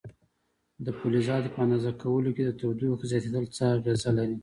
د فلزاتو په اندازه کولو کې د تودوخې زیاتېدل څه اغېزه لري؟